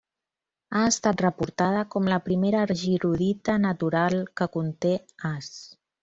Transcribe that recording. Ha estat reportada com la primera argirodita natural que conté As.